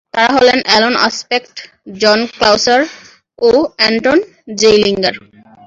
তাঁরা হলেন Alain Aspect, John Clauser ও অ্যান্টন জেইলিঙ্গার।